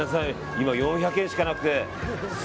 今４００円しかなくて。